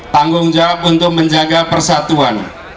tanggung jawab untuk menjaga persatuan